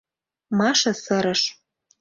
— Маша сырыш.